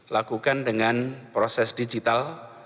lakukan dengan proses digital